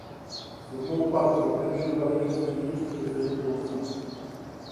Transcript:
Formou parte do primeiro gabinete de ministros de Felipe González.